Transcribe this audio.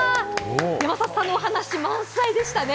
山里さんのお話、満載でしたね。